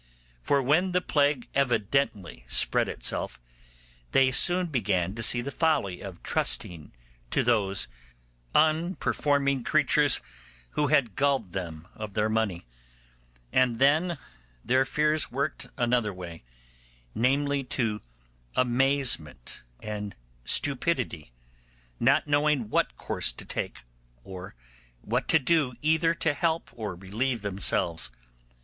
For when the plague evidently spread itself, they soon began to see the folly of trusting to those unperforming creatures who had gulled them of their money; and then their fears worked another way, namely, to amazement and stupidity, not knowing what course to take or what to do either to help or relieve themselves.